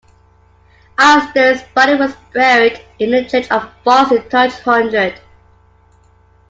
Eystein's body was buried in the church of "Foss" in Tunge Hundred.